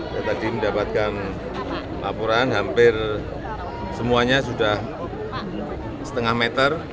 saya tadi mendapatkan laporan hampir semuanya sudah setengah meter